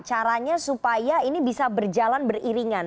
caranya supaya ini bisa berjalan beriringan